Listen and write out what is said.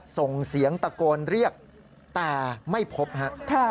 ส่งเสียงตะโกนเรียกแต่ไม่พบฮะ